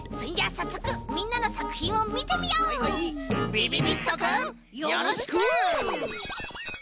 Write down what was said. びびびっとくんよろしく！